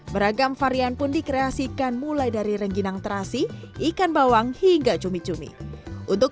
beragam varian pun dikreasikan mulai dari rengginang terasi ikan bawang hingga cumi cumi untuk